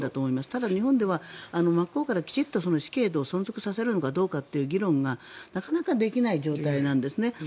ただ、日本では真っ向から死刑制度を存続させるのかという議論がなかなかできない状態なんです。